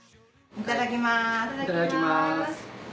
いただきます。